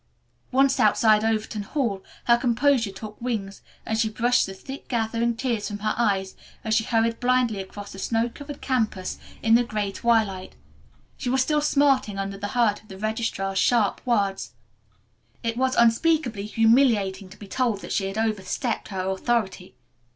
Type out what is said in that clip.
Once outside Overton Hall her composure took wings and she brushed the thick gathering tears from her eyes as she hurried blindly across the snow covered campus in the gray twilight. She was still smarting under the hurt of the registrar's sharp words. It was unspeakably humiliating to be told that she had overstepped her authority.